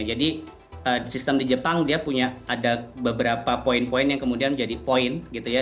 jadi sistem di jepang dia punya ada beberapa poin poin yang kemudian menjadi poin gitu ya